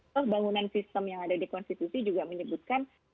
pembangunan sistem yang ada di konstitusi juga menyebutkan